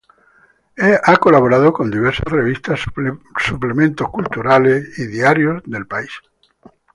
Ha colaborado con diversas revistas, suplementos culturales y diarios del país.